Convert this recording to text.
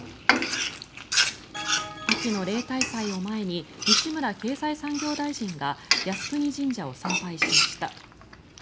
秋の例大祭を前に西村経済産業大臣が靖国神社を参拝しました。